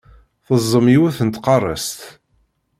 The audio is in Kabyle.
Teẓẓem yiwet n tqarest.